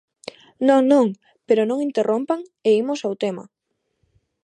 Non, non, pero non interrompan e imos ao tema.